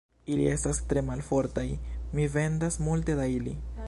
Ili estas tre malfortaj; mi vendas multe da ili.